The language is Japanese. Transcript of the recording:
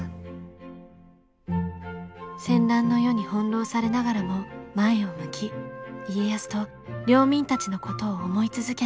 戦乱の世に翻弄されながらも前を向き家康と領民たちのことを思い続けた於大。